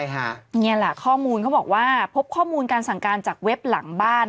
นี่แหละข้อมูลเขาบอกว่าพบข้อมูลการสั่งการจากเว็บหลังบ้าน